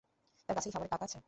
তার কাছে কি খাবারের টাকা আছে?